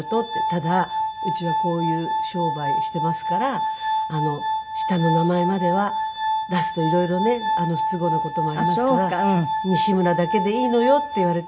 「ただうちはこういう商売していますから下の名前までは出すと色々ね不都合な事もありますから“西村”だけでいいのよ」って言われて。